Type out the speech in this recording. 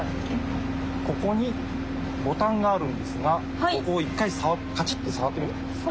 ここにボタンがあるんですがここを１回カチッて触ってみてもらえますか？